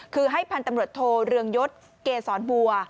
คือให้พันธุ์ตำรวจโทเรืองยศเกษรบัว